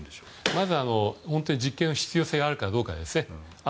まず実験の必要性があるかどうかですね。